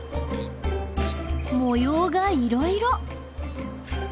模様がいろいろ。